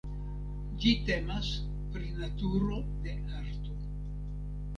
Ĝi temas pri naturo de arto.